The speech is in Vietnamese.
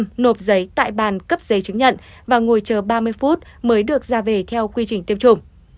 tuy nhiên cô lê thị lờ đã tự nhiên nộp giấy tại bàn cấp giấy chứng nhận và ngồi chờ ba mươi phút mới được ra về theo quy trình tiêm chủng